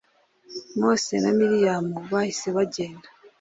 mose na miriyamu bahise bagenda